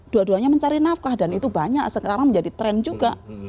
dua duanya mencari nafkah dan itu banyak sekarang menjadi tren juga